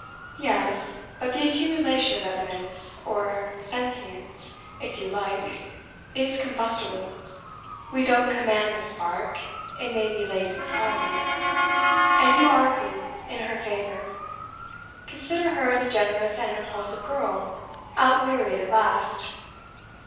"Yes, but the accumulation of evidence, or sentience, if you like, is combustible; we don't command the spark; it may be late in falling. And you argue in her favour. Consider her as a generous and impulsive girl, outwearied at last."